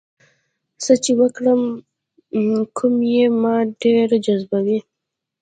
څه چې وکړم کوم یې ما ډېر جذبوي؟